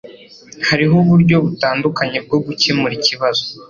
Hariho uburyo butandukanye bwo gukemura ikibazo